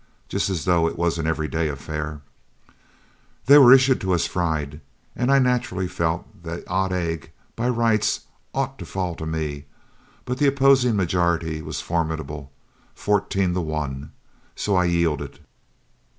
just as though it was an everyday affair. They were issued to us fried, and I naturally felt that the odd egg, by rights, ought to fall to me, but the opposing majority was formidable, fourteen to one, so I yielded.